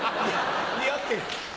似合ってる。